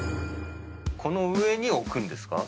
この上に置くんですか？